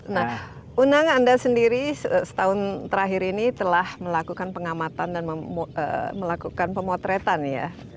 nah unang anda sendiri setahun terakhir ini telah melakukan pengamatan dan melakukan pemotretan ya